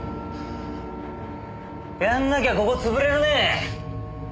やんなきゃここ潰れるねえ。